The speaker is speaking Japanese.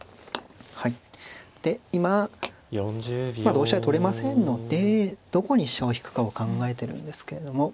はいで今同飛車で取れませんのでどこに飛車を引くかを考えてるんですけれども。